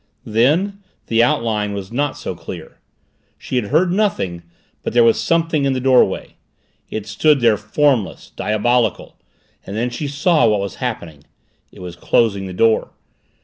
Then the outline was not so clear. She had heard nothing but there was something in the doorway. It stood there, formless, diabolical, and then she saw what was happening. It was closing the door.